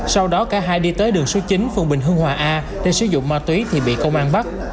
sau đó cả hai đi tới đường số chín phường bình hương hòa a để sử dụng ma túy thì bị công an bắt